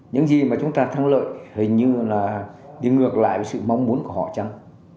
những gì mà chúng ta thắng lợi hình như là đi ngược lại với sự mong muốn của họ chăng